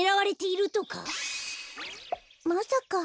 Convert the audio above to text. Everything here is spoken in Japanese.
まさか。